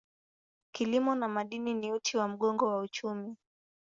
Kilimo na madini ni uti wa mgongo wa uchumi.